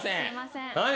はい。